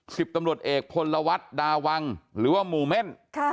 สิบตำรวจเอกพลวัฒน์ดาวังหรือว่าหมู่เม่น